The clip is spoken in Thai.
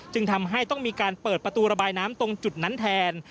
จึงทำให้ต้องมีการเปิดประตูระบายน้ำตรงจุดนั้นแทน